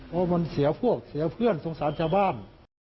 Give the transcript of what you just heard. เพราะมันเสียพวกเสียเพื่อนสงสารชาวบ้าน